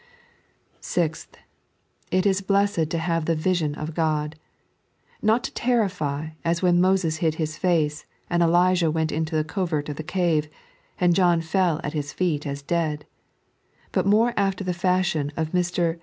Sixth, it is blessed to have the vuton q/" God. Hot to terrify, as when Moees hid his face, and Elijah went into the covert of the cave, and John fell at Hie feet as dead ; bnt more after the fashion of A(r.